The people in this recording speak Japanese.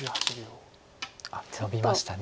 あっノビました。